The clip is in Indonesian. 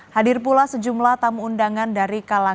hadir pula sejumlah tamu undangan dari kalangan